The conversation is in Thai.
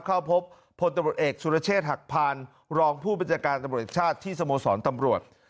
เข้าพบพลตำรวจเอกสุรเชษฐ์หักพานรองผู้บัญชาการตำรวจชาติที่สโมสรตำรวจ